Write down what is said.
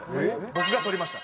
僕が撮りました。